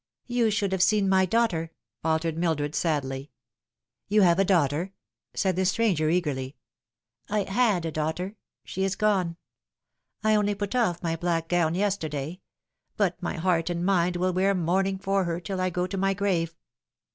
" You should have seen my daughter," faltered Mildred sadly. " You have a daughter ?" said the stranger eagerly. " I had a daughter. She is gone. I only put off my black gown yesterday ; but my heart and mind will wear mourning for her till I go to my grave."